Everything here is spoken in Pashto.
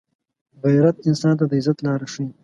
غیرت انسان ته د عزت لاره ښيي